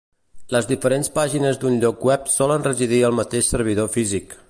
Les diferents pàgines d'un lloc web solen residir al mateix servidor físic.